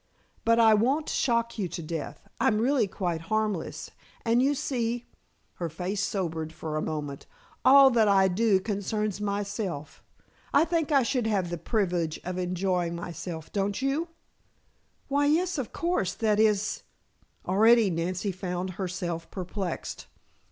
"But I won't shock you to death. I'm really quite harmless, and you see," her face sobered for a moment, "all that I do concerns myself. I think I should have the privilege of enjoying myself, don't you?" "Why, yes, of course. That is " Already Nancy found herself perplexed.